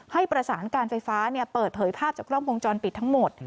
ให้ประสานการไฟฟ้าเปิดเผยภาพจากกล้องวงจรปิดทั้งหมด